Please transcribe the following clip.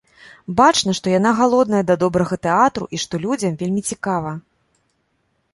Бачна, што яна галодная да добрага тэатру і што людзям вельмі цікава.